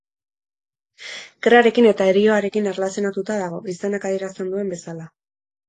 Gerrarekin eta herioarekin erlazionatuta dago, izenak adierazten duen bezala.